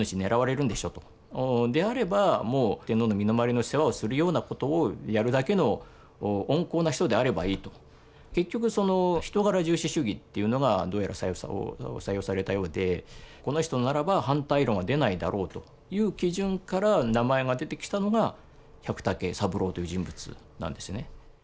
であればもう天皇の身の回りの世話をするようなことをやるだけの温厚な人であればいいと。結局その人柄重視主義というのがどうやら採用されたようでこの人ならば反対論は出ないだろうという基準から名前が出てきたのが百武三郎という人物なんですね。